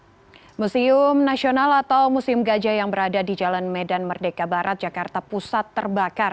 hai museum nasional atau musim gajah yang berada di jalan medan merdeka barat jakarta pusat terbakar